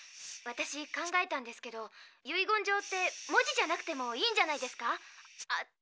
私考えたんですけど遺言状って文字じゃなくてもいいんじゃないですか？